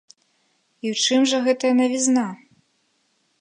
І ў чым жа гэтая навізна?